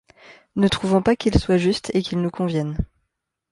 Ne trouvant pas qu'il soit juste et qu'il nous convienne